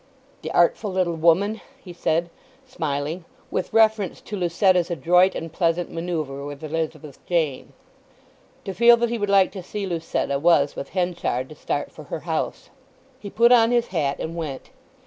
"The artful little woman!" he said, smiling (with reference to Lucetta's adroit and pleasant manœuvre with Elizabeth Jane). To feel that he would like to see Lucetta was with Henchard to start for her house. He put on his hat and went.